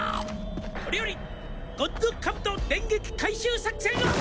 これよりゴッドカブト電撃回収作戦を開始する！